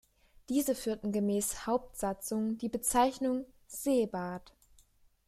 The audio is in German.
Diese führten gemäß Hauptsatzung die Bezeichnung „Seebad“.